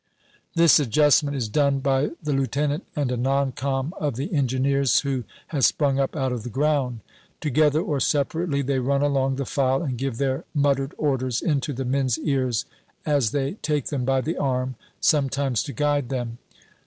This adjustment is done by the lieutenant and a noncom. of the Engineers who has sprung up out of the ground. Together or separately they run along the file and give their muttered orders into the men's ears as they take them by the arm, sometimes, to guide them.